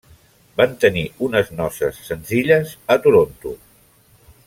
Van tenir unes noces senzilles a Toronto.